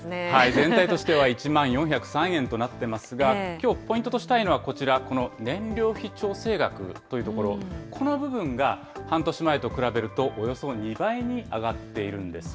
全体としては１万４０３円となっていますが、きょう、ポイントとしたいのはこちら、この燃料費調整額というところ、この部分が半年前と比べるとおよそ２倍に上がっているんです。